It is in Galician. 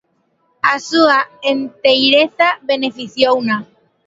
A súa enteireza beneficiouna.